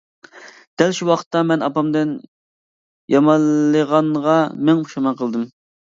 دەل شۇ ۋاقىتتا مەن ئاپامدىن يامانلىغانغا مىڭ پۇشايمان قىلدىم.